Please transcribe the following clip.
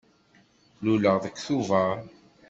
Luleɣ deg Tubeṛ.